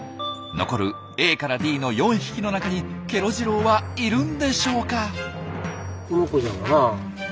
残るＡからＤの４匹の中にケロ次郎はいるんでしょうか？